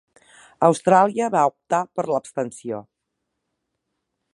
Austràlia va optar per l'abstenció.